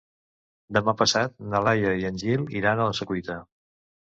Demà passat na Laia i en Gil iran a la Secuita.